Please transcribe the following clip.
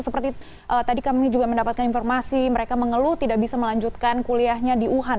seperti tadi kami juga mendapatkan informasi mereka mengeluh tidak bisa melanjutkan kuliahnya di wuhan